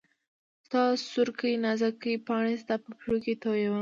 ستا سورکۍ نازکي پاڼي ستا په پښو کي تویومه